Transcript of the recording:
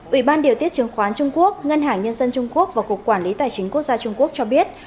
ủy ban điều tiết chứng khoán trung quốc ngân hàng nhân dân trung quốc và cục quản lý tài chính quốc gia trung quốc cho biết